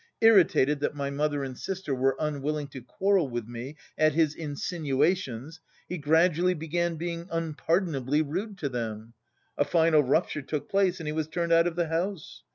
Irritated that my mother and sister were unwilling to quarrel with me at his insinuations, he gradually began being unpardonably rude to them. A final rupture took place and he was turned out of the house.